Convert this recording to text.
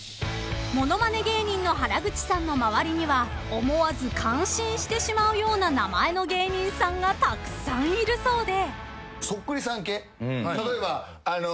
［物まね芸人の原口さんの周りには思わず感心してしまうような名前の芸人さんがたくさんいるそうで］